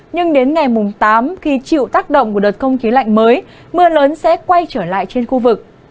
nhưng đến ngày tám khi chịu tác động của đợt không khí lạnh mới mưa lớn sẽ quay trở lại trên khu vực